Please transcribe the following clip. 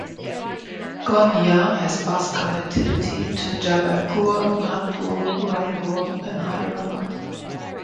Gondia has bus connectivity to Jabalpur, Nagpur, Raipur and Hyderabad.